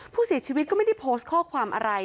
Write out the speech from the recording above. ผู้เสียชีวิตก็ไม่ได้โพสต์ข้อความอะไร